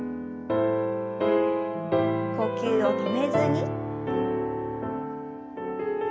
呼吸を止めずに。